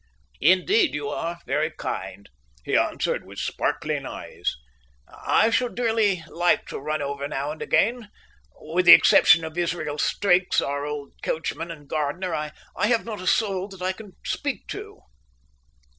"Indeed, you are very kind," he answered, with sparkling eyes. "I should dearly like to run over now and again. With the exception of Israel Stakes, our old coachman and gardener, I have not a soul that I can speak to."